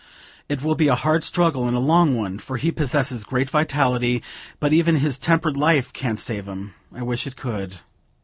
It will be a hard struggle, and a long one, for he possesses great vitality; but even his temperate life can't save him; I wish it could."